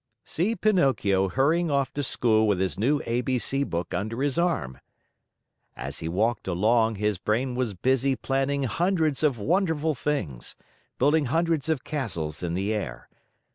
See Pinocchio hurrying off to school with his new A B C book under his arm! As he walked along, his brain was busy planning hundreds of wonderful things, building hundreds of castles in the air.